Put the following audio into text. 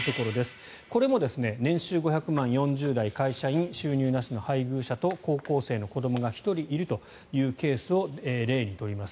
これも年収５００万円４０代会社員、収入なしの配偶者と高校生の子どもが１人いるというケースを例に取ります。